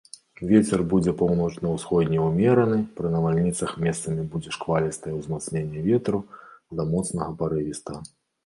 Вецер будзе паўночна-ўсходні ўмераны, пры навальніцах месцамі будзе шквалістае ўзмацненне ветру да моцнага парывістага.